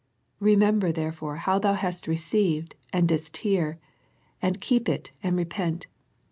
Remember therefore how thou hast received and didst hear; and keep it, and repent.